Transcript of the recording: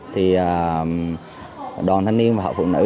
thì đoàn thanh niên và học phụ nữ